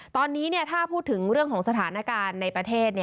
ตอนนี้ถ้าพูดถึงเรื่องของสถานการณ์ในประเทศ